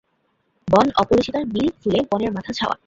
বন অপরাজিতার নীল ফুলে বনের মাথা ছাওয়া।